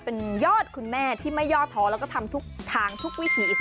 เป็นยอดคุณแม่ที่ไม่ย่อท้อแล้วก็ทำทุกทางทุกวิถี